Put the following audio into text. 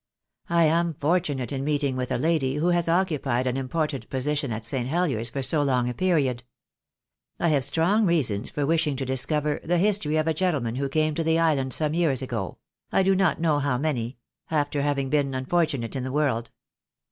I am fortunate in meeting with a lady who has occupied an important position at St. Heliers for so long a period. I have strong reasons for wishing to discover the history of a gentleman who came to the Island some years ago — I do not know how many — after having been unfortunate in the„ world.